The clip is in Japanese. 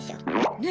ねえ？